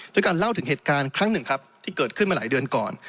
ด้วยการเล่าถึงเหตุการณ์ครั้งหนึ่งครับที่เกิดขึ้นมาหลายเดือนก่อน